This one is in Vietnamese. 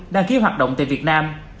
đăng ký hoạt động tại việt nam